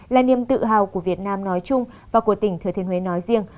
là niềm tự hào của việt nam nói chung và của tỉnh thừa thiên huế nói riêng